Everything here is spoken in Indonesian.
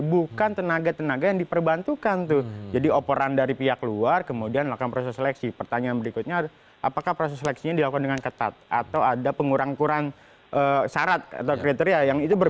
bung oce terakhir